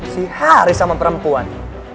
si haris sama perempuan